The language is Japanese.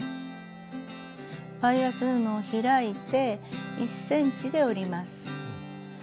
バイアス布を開いて１ｃｍで折ります。